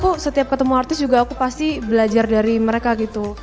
karena aku setiap ketemu artis juga aku pasti belajar dari mereka gitu